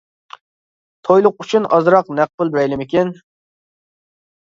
تويلۇق ئۈچۈن ئازراق نەق پۇل بېرەيلىمىكىن.